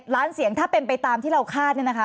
ล้านเสียงถ้าเป็นไปตามที่เราคาดเนี่ยนะคะ